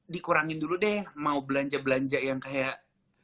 dikurangin dulu deh mau belanja belanja yang kayak